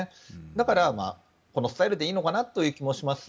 だから、このスタイルでいいのかなという気もします。